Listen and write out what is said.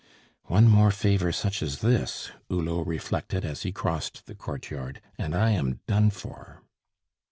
"One more favor such as this," Hulot reflected as he crossed the courtyard, "and I am done for!"